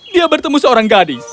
dia bertemu seorang gadis